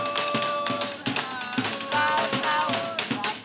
sahur sahur sahur sahur